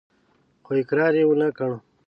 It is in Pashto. خو اقرار يې ونه کړ.